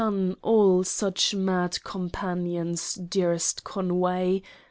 — Shun all such mad Companions, dearest Conway.